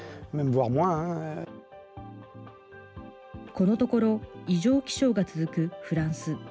このところ、異常気象が続くフランス。